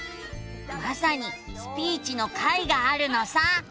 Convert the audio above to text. まさに「スピーチ」の回があるのさ。